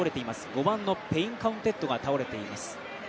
５番のペインカウンテットが倒れています。